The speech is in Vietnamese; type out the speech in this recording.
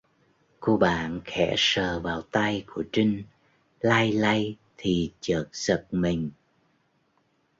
Cô bạn khẽ sờ vào tay của trinh lay lay thì chợt giật mình